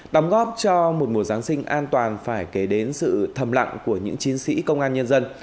đóng góp cho một mùa giáng sinh an toàn phải kể đến sự thầm lặng của những chiến sĩ công an nhân dân